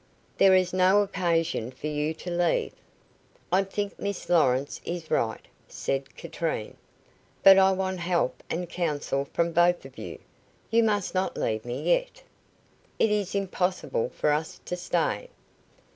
"There is no occasion for you to leave." "I think Miss Lawrence is right," said Katrine. "But I want help and counsel from both of you. You must not leave me yet." "It is impossible for us to stay."